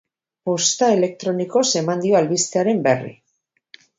Posta elektronikoz eman dio albistearen berri.